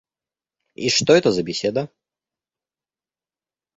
И что это за беседа?